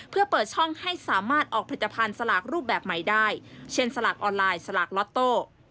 เพื่อเปิดช่องให้สามารถออกผลิตภัณฑ์สลากรูปแบบใหม่ได้เช่นสลากออนไลน์สลากล็อตโต้